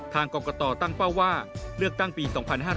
ทางกรกตตั้งเป้าว่าเลือกตั้งปี๒๕๕๙